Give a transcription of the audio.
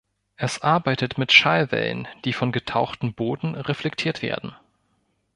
Es arbeitet mit Schallwellen, die von getauchten Booten reflektiert werden.